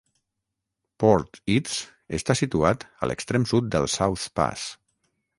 Port Eads està situat a l'extrem sud del South Pass.